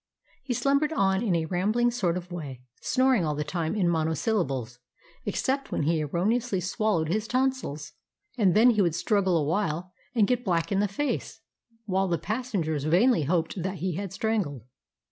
He slumbered on in a rambling sort of way, snoring all the time in monosyllables, except when he erroneously swallowed his tonsils, and then he would struggle awhile and get black in the face, while the passengers vainly hoped that he had strangled.